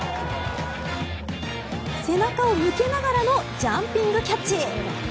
背中を向けながらのジャンピングキャッチ！